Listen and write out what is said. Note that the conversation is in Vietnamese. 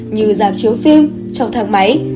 như giảm chiếu phim trong thang máy